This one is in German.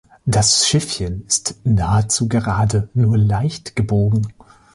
Das Schiffchen ist nahezu gerade, nur leicht gebogen.